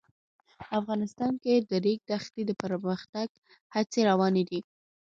افغانستان کې د د ریګ دښتې د پرمختګ هڅې روانې دي.